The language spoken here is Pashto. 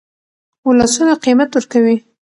ولسونه قیمت ورکوي.